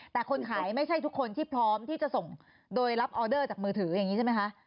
แต่คนขายไม่ใช่ทุกคนที่พร้อมที่จะส่งโดยรับออเดอร์จากมือถืออย่างนี้ใช่ไหมคะ